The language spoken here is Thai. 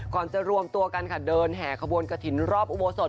จะรวมตัวกันค่ะเดินแห่ขบวนกระถิ่นรอบอุโบสถ